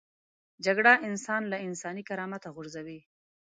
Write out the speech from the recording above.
جګړه انسان له انساني کرامت غورځوي